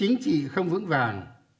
bản lĩnh chính trị không vững vàng